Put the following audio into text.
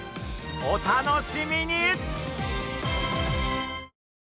お楽しみに！